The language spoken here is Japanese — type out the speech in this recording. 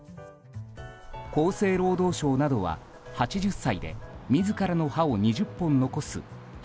厚生労働省などは８０歳で自らの歯を２０本残す８０２０